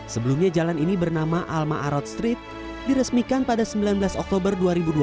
sebelumnya jalan ini bernama alma arod street diresmikan pada sembilan belas oktober dua ribu dua puluh